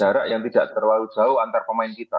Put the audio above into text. jarak yang tidak terlalu jauh antar pemain kita